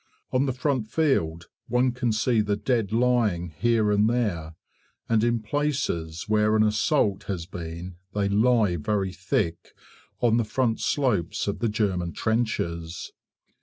On the front field one can see the dead lying here and there, and in places where an assault has been they lie very thick on the front slopes of the German trenches.